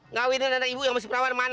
ngawinin anak ibu yang masih perawan mana